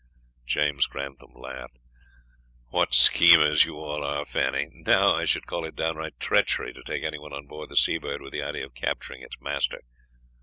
James Grantham laughed. "What schemers you all are, Fanny! Now I should call it downright treachery to take anyone on board the Seabird with the idea of capturing its master."